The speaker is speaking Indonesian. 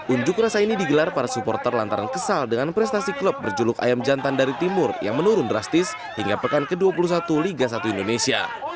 unjuk rasa ini digelar para supporter lantaran kesal dengan prestasi klub berjuluk ayam jantan dari timur yang menurun drastis hingga pekan ke dua puluh satu liga satu indonesia